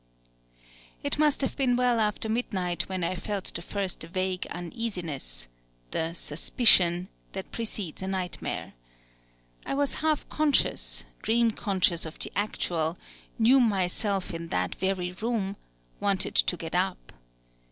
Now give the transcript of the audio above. It must have been well after midnight when I felt the first vague uneasiness, the suspicion, that precedes a nightmare. I was half conscious, dream conscious of the actual, knew myself in that very room, wanted to get up.